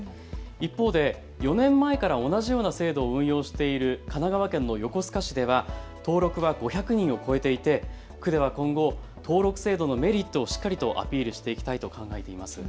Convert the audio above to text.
一方で４年前から同じような制度を運用している神奈川県の横須賀市では登録は５００人を超えていて区では今後、登録制度のメリットをしっかりとアピールしていきたいと考えています。